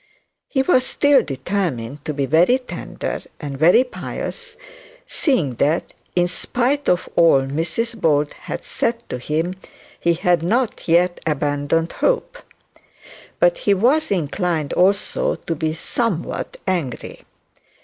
He was still determined to be very tender and very pious, seeing that in spite of all Mrs Bold had said to him, he not yet abandoned hope; but he was inclined to be somewhat angry.